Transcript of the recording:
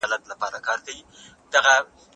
تاسي په خاطر د عزت دا سېب وخوړ.